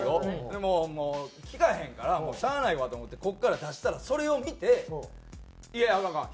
でもう聞かへんからしゃあないわと思ってここから出したらそれを見て「いやアカンアカン。